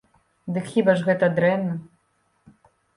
Дык хіба ж гэта дрэнна?